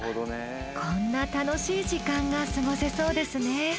こんな楽しい時間が過ごせそうですね。